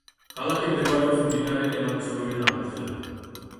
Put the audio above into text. ქალაქი მდებარეობს მდინარე ნემანის ორივე ნაპირზე.